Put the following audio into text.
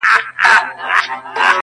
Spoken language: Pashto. چي بې وزره دي قدم ته درختلی یمه!!